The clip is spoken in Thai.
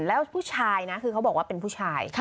แล้วผู้ชายเป็นผู้ชาย